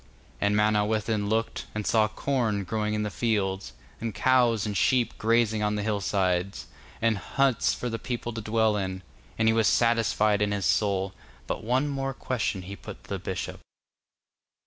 And Manawyddan looked, and saw corn growing in the fields, and cows and sheep grazing on the hill side, and huts for the people to dwell in. And he was satisfied in his soul, but one more question he put to the bishop.